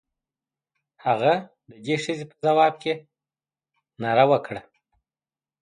هغه د دې ښځې په ځواب کې ناره وکړه.